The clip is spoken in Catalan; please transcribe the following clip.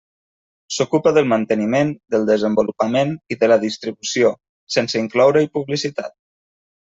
S'ocupa del manteniment, del desenvolupament i de la distribució, sense incloure-hi publicitat.